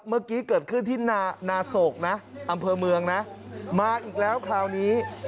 เมื่อกี้เกิดขึ้นที่นาโศกนะอำเภอเมืองนะมาอีกแล้วคราวนี้